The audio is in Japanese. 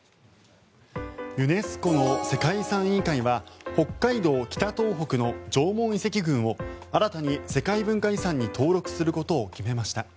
ユネスコの世界遺産委員会は北海道・北東北の縄文遺跡群を新たに世界文化遺産に登録することを決めました。